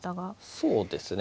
そうですね。